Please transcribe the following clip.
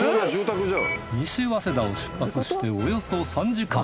西早稲田を出発しておよそ３時間。